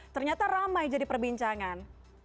ternyata ramai jadi perbincangan